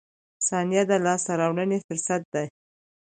• ثانیه د لاسته راوړنې فرصت ده.